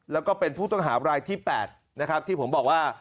แล้วก็เป็นผู้ต้องหารายที่๘นะครับที่ผมบอกว่า